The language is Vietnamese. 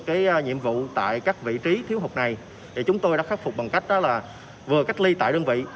cái nhiệm vụ tại các vị trí thiếu hụt này thì chúng tôi đã khắc phục bằng cách là vừa cách ly tại đơn vị